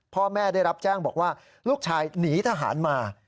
พ่อแม่ได้รับแจ้งบอกว่าลูกชายหนีทหารมา